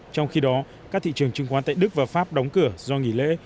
trong khi đó các thị trường chứng khoán tại đức và pháp đóng cửa do nghỉ lễ